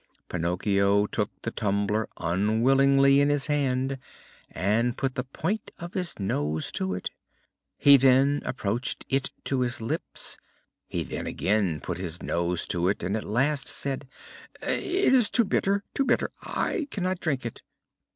Pinocchio took the tumbler unwillingly in his hand and put the point of his nose to it: he then approached it to his lips: he then again put his nose to it, and at last said: "It is too bitter! too bitter! I cannot drink it."